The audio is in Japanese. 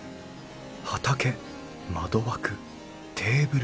畑窓枠テーブル。